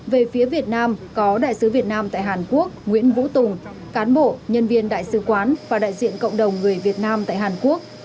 về phía việt nam có đại sứ việt nam tại hàn quốc nguyễn vũ tùng cán bộ nhân viên đại sứ quán và đại diện cộng đồng người việt nam tại hàn quốc